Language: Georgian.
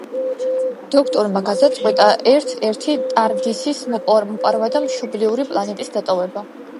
დოქტორმა გადაწყვიტა ერთ-ერთი ტარდისის მოპარვა და მშობლიური პლანეტის დატოვება.